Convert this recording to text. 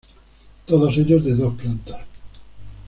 Todos ellos de dos plantas.